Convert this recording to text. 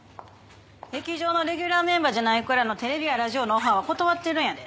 劇場のレギュラーメンバーじゃない子らのテレビやラジオのオファーは断ってるんやで。